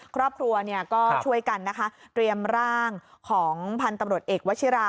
ครอบครัวก็ช่วยกันนะคะเตรียมร่างของพันธุ์ตำรวจเอกวชิรา